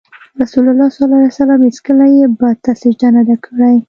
رسول الله ﷺ هېڅکله یې بت ته سجده نه ده کړې.